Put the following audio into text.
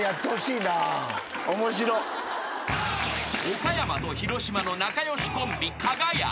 ［岡山と広島の仲良しコンビかが屋］